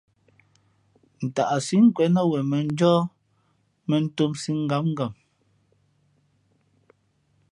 Ntaʼsí nkwēn nά wen mᾱnjóh mᾱntōmsī ngǎmngam.